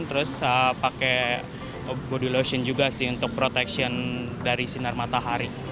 terus pakai body lotion juga sih untuk protection dari sinar matahari